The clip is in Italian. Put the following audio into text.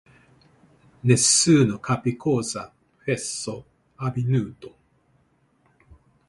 Nessuno capì cosa fosse avvenuto.